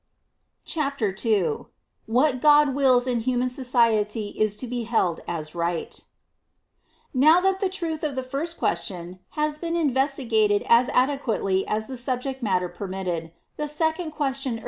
CHAPTER II ff^hat God wills in human society is to be held as right. .^ .«Wi « I. Now that the truth of the first question has been investigated as adequately as the sub ject matter permitted, the second question urges 6.